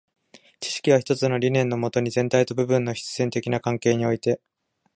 知識は一つの理念のもとに、全体と部分の必然的な関係において、